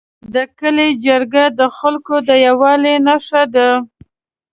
د کلي جرګه د خلکو د یووالي نښه ده.